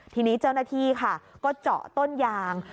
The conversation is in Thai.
ทีนี้เจ้าหน้าที่ค่ะก็เจาะต้นยาง